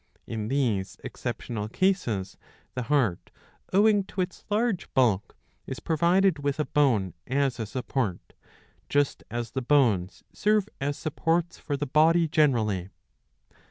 In these exceptional cases the heart, owing to its large bulk, is provided with a bone as a support ; just as the bones serve as supports for the body generally.